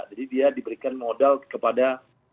jadi dia diberikan modal kepada